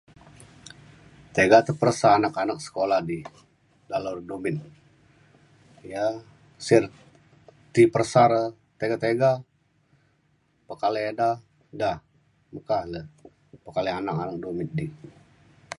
tiga te peresa ne anak anak sekula di dalau re dumit ia sik re ti peresa re tiga tiga pekalai ida da meka le pekalai anak anak dumit di